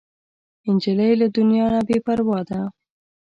نجلۍ له دنیا نه بې پروا ده.